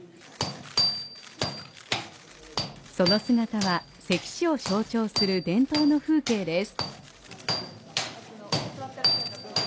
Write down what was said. その姿は関市を象徴する伝統の風景です。